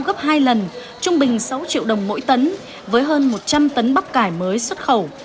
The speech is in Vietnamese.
giá gấp hai lần trung bình sáu triệu đồng mỗi tấn với hơn một trăm linh tấn bắp cải mới xuất khẩu